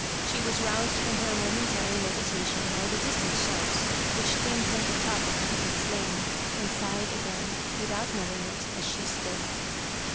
She was rous ed from her momentary meditation by the distant shouts which came from the top of Prickett's Lane, and sighed again, without knowing it, as she spoke.